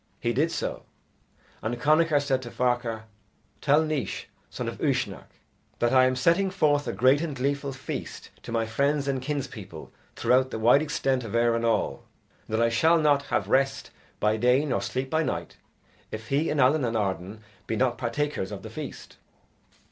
He did so; and Connachar said to Ferchar, "Tell Naois, son of Uisnech, that I am setting forth a great and gleeful feast to my friends and kinspeople throughout the wide extent of Erin all, and that I shall not have rest by day nor sleep by night if he and Allen and Arden be not partakers of the feast."